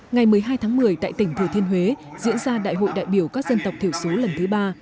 ngày một mươi hai tháng một mươi tại tỉnh thừa thiên huế diễn ra đại hội đại biểu các dân tộc thiểu số lần thứ ba